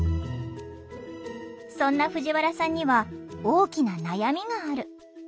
そんな藤原さんには大きな悩みがある。